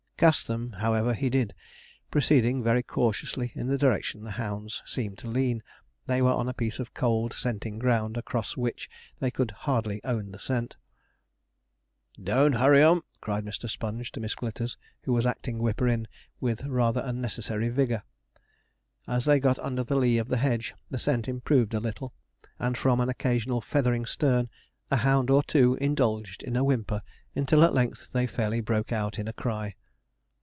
Cast them, however, he did, proceeding very cautiously in the direction the hounds seemed to lean. They were on a piece of cold scenting ground, across which they could hardly own the scent. 'Don't hurry 'em!' cried Mr. Sponge to Miss Glitters, who was acting whipper in with rather unnecessary vigour. As they got under the lee of the hedge, the scent improved a little, and, from an occasional feathering stern, a hound or two indulged in a whimper, until at length they fairly broke out in a cry.